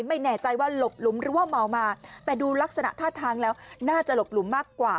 ไม่แน่ใจว่าหลบหลุมหรือว่าเมามาแต่ดูลักษณะท่าทางแล้วน่าจะหลบหลุมมากกว่า